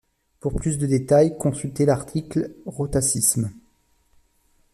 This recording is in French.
Pour plus de détails, consulter l'article rhotacisme.